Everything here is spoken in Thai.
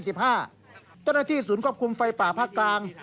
เจ้าหน้าที่ศูนย์ควบคุมไฟป่าภาคกลาง